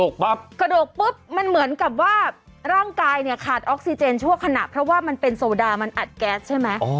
กระดูกปุ๊บมันเหมือนกับว่าร่างกายเนี่ยขาดออกซิเจนชั่วขณะเพราะว่ามันเป็นโซดามันอัดแก๊สใช่ไหม